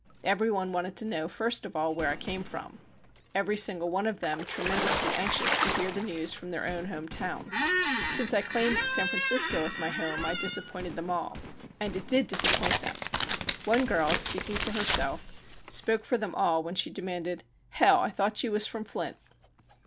Everyone wanted to know, first of all, where I came from. Every single one of them tremend ously anxious to hear the news from their own home town. Since I claimed San Francisco as my home, I disappointed them all. And it did dis appoint them. One girl, speaking for herself, spoke for them all when she demanded: "Hell, I thought you was from Flint."